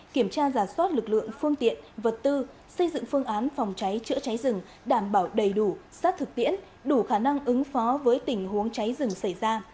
kiểm tra giả soát lực lượng phương tiện vật tư xây dựng phương án phòng cháy chữa cháy rừng đảm bảo đầy đủ sát thực tiễn đủ khả năng ứng phó với tình huống cháy rừng xảy ra